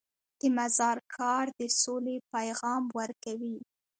د مزار ښار د سولې پیغام ورکوي.